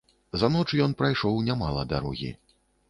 За ноч ён прайшоў нямала дарогі.